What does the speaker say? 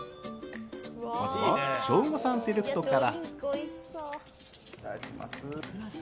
まずはショーゴさんセレクトから。